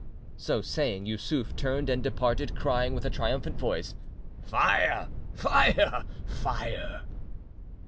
So saying; Yussuf turned and departed, crying with a triumphant voice, "Fire! fire! fire!"